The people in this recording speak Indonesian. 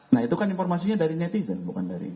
nah itu kan informasinya dari netizen bukan dari